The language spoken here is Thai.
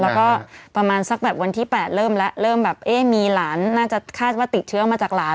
แล้วก็ประมาณสักแบบวันที่๘เริ่มแล้วเริ่มแบบเอ๊ะมีหลานน่าจะคาดว่าติดเชื้อมาจากหลาน